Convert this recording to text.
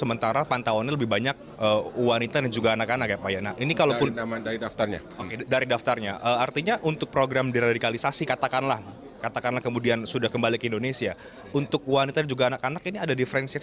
bapak komjen paul soehardi alius